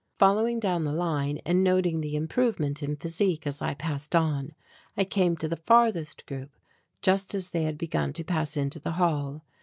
Following down the line and noting the improvement in physique as I passed on, I came to the farthest group just as they had begun to pass into the hall.